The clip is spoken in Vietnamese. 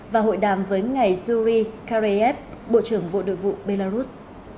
và hội đàm với ngài zuri kareyev bộ trưởng bộ đội vụ belarus